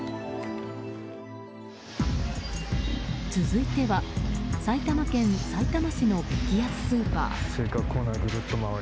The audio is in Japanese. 続いては、埼玉県さいたま市の激安スーパー。